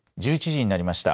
１１時になりました。